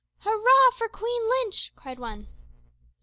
"Hurrah! for Queen Lynch," cried one.